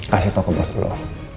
kasih tau ke bos lo